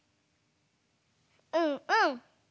うんうん。